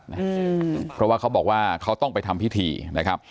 อืมเพราะว่าเขาบอกว่าเขาต้องไปทำพิธีนะครับ